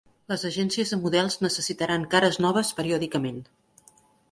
Les agències de models necessitaran cares noves periòdicament.